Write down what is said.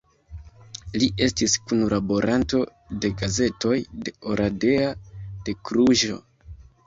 Li estis kunlaboranto de gazetoj de Oradea, de Kluĵo.